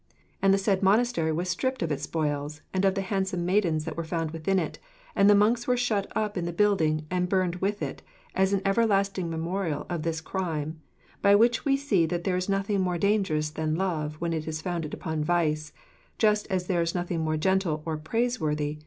And the said monastery was stripped of its spoils and of the handsome maidens that were found within it, and the monks were shut up in the building and burned with it, as an everlasting memorial of this crime, by which we see that there is nothing more dangerous than love when it is founded upon vice, just as there is nothing more gentle or praiseworthy when it dwells in a virtuous heart.